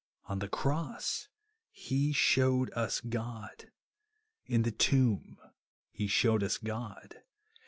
On the cross he shewed ua God. In the tomb he shewed us God.